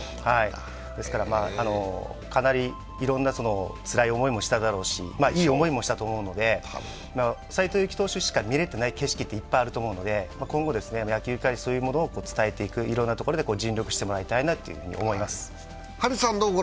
ですからかなりいろんなつらい思いもしただろうし、いい思いもしたと思うので、斎藤佑樹投手しか見れてない景色っていっぱいあると思うので、今後、野球界にそういうものを伝えていく、いろんなところで尽力してもらいたいなと思います。